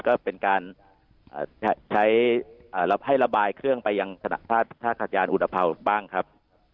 ก็เป็นการใช้ให้ระบายเครื่องไปยังท่าขจานอุตภัวบ้างครับ